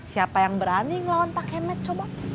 siapa yang berani ngelawan pakai med coba